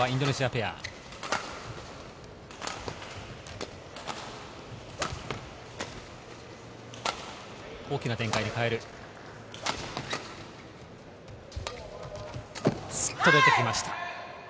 スッと出てきました。